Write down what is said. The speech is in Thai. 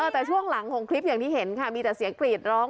แต่ช่วงหลังของคลิปอย่างที่เห็นค่ะมีแต่เสียงกรีดร้อง